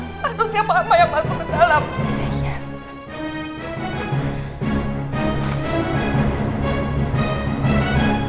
harusnya mama yang masuk ke dalam